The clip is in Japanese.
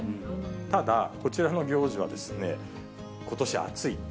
ただ、こちらの行事はですね、ことし暑い。